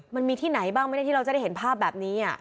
มันมีที่ไหนบ้างไหมเนี่ยที่เราจะได้เห็นภาพแบบนี้